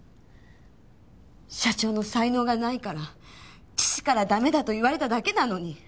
社長の才能がないから父からダメだと言われただけなのに。